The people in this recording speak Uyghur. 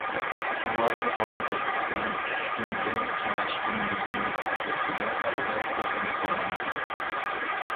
شۇڭا، ئوقۇغان تەكلىپ بىلەن چۈشتىن بۇرۇن كېڭەشكەن مەزمۇنلار ئوتتۇرىسىدا ئازراق ئۆزگىرىش بولغان ئىدى.